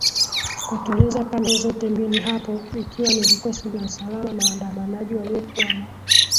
kutuliza pande zote mbili hapo ikiwa ni vikosi vya usalama na wandamanaji waliokuwa na